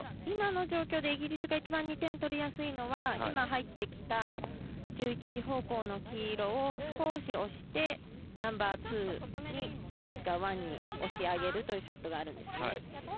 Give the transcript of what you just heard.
今の状況でイギリスが２点を取りやすいのは今、入ってきた１１時方向の黄色を少し押して、ナンバーツーにもしくはワンに押し上げるショットがあるんですね。